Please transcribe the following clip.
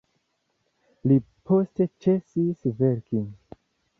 Li poste ĉesis verki.